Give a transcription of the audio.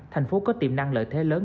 thành phố có tiềm năng lợi thế lớn